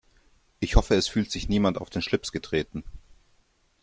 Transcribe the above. Ich hoffe, es fühlt sich niemand auf den Schlips getreten.